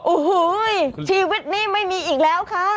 โอ้โหชีวิตนี้ไม่มีอีกแล้วค่ะ